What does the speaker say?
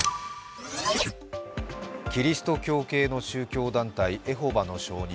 キリスト教系の宗教団体・エホバの証人。